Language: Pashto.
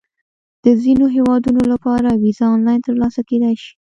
د ځینو هیوادونو لپاره ویزه آنلاین ترلاسه کېدای شي.